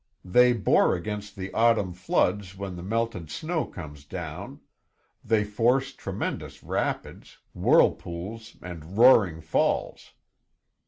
They bore against the autumn floods when the melted snow comes down; they force tremendous rapids, whirlpools, and roaring falls.